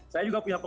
saya juga punya